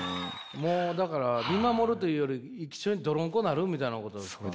もうだから見守るというより一緒にどろんこになるみたいなことですかね。